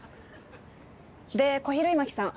で小比類巻さん。